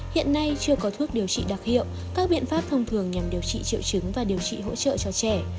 hiện nay chưa có thuốc điều trị đặc hiệu các biện pháp thông thường nhằm điều trị triệu chứng và điều trị hỗ trợ cho trẻ